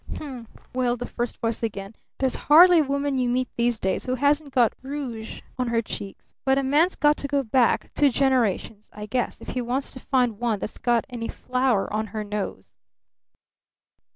"Humph!" wailed the first voice again. "There's hardly a woman you meet these days who hasn't got rouge on her cheeks, but a man's got to go back two generations, I guess, if he wants to find one that's got any flour on her nose!"